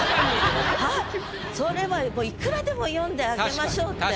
それはもういくらでも詠んであげましょうって。